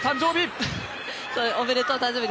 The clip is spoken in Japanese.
おめでとう、誕生日！